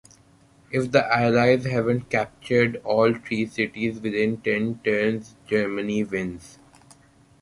If the allies haven't captured all three cities within ten turns, Germany wins.